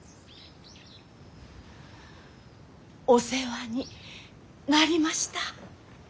お世話になりました。